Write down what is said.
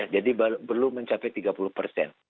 jadi belum mencapai tiga puluh persen